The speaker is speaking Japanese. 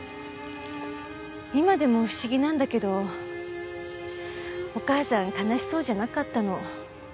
今でも不思議なんだけどお母さん悲しそうじゃなかったの。